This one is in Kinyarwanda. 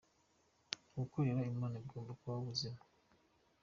Gukorera Imana bigomba kuba ubuzima